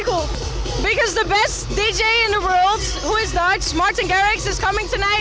karena dj terbaik di dunia yang berbicara dutch martin gereks datang malam ini